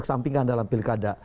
kesembingan dalam pilkada